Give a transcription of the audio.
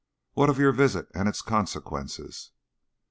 "What of your visit and its consequences?"